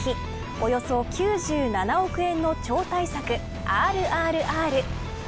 およそ９７億円の超大作ＲＲＲ。